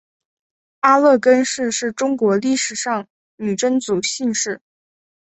阿勒根氏是中国历史上女真族姓氏。